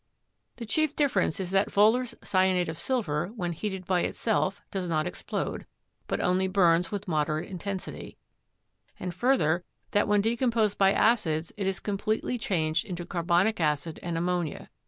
The chief difference is that Wohler's cyanate of silver, when heated by itself, does not explode, but only burns with moderate intensity; and further, that when decomposed by acids it is completely changed into carbonic acid and ammonia